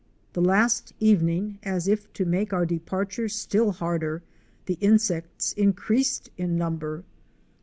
The last evening, as if to make our departure still harder, the insects increased in number.